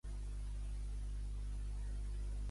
Fou el pare de l'actriu Carolina Rosi.